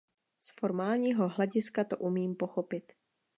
Z formálního hlediska to umím pochopit.